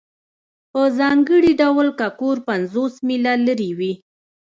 په ځانګړي ډول که کور پنځوس میله لرې وي